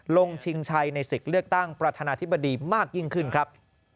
ชิงชัยในศึกเลือกตั้งประธานาธิบดีมากยิ่งขึ้นครับ